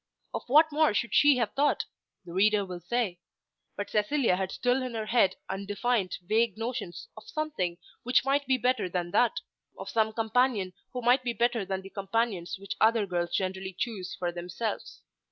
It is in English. Of what more should she have thought? the reader will say. But Cecilia had still in her head undefined, vague notions of something which might be better than that, of some companion who might be better than the companions which other girls generally choose for themselves.